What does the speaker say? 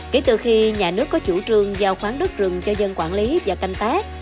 kể từ khi nhà nước có chủ trương giao khoáng đất rừng cho dân quản lý và canh tác